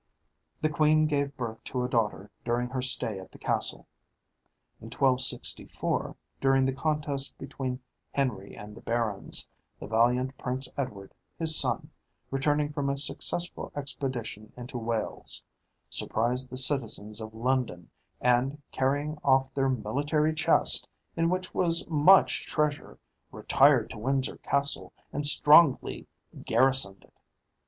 The queen gave birth to a daughter during her stay at the castle. In 1264, during the contest between Henry and the barons, the valiant Prince Edward, his son, returning from a successful expedition into Wales, surprised the citizens of London, and carrying off their military chest, in which was much treasure, retired to Windsor Castle and strongly garrisoned it.